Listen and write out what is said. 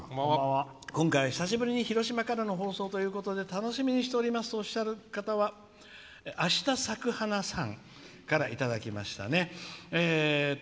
今回、久しぶりの広島からの放送ということで楽しみにしております」とおっしゃる方はあしたさくはなさんからいただきましたね。